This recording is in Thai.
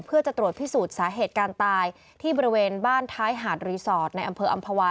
เพื่อจะตรวจพิสูจน์สาเหตุการตายที่บริเวณบ้านท้ายหาดรีสอร์ทในอำเภออำภาวา